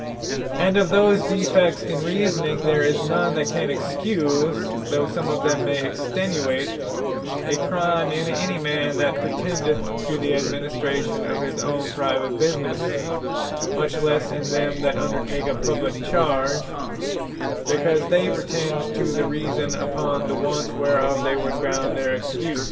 And of those defects in Reasoning, there is none that can Excuse (though some of them may Extenuate) a Crime, in any man, that pretendeth to the administration of his own private businesse; much lesse in them that undertake a publique charge; because they pretend to the Reason, upon the want whereof they would ground their Excuse.